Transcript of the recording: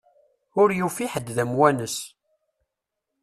Ur yufi ḥedd d amwanes.